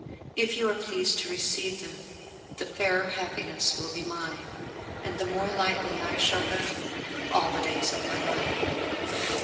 If you are pleased to receive them, the fairer happiness will be mine, and the more lightly I shall go all the days of my life.